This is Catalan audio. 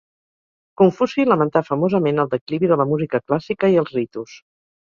Confuci lamentà famosament el declivi de la música clàssica i els ritus.